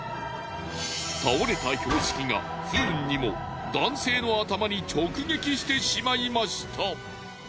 倒れた標識が不運にも男性の頭に直撃してしまいました。